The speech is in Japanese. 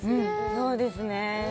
そうですね。